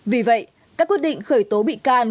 vì vậy các quyết định khởi tố bị can